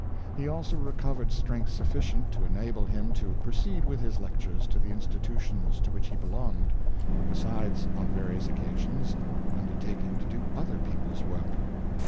He also recovered strength sufficient to enable him to proceed with his lectures to the institutions to which he belonged, besides on various occasions under taking to do other people's work.